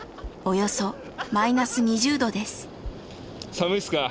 ・寒いっすか？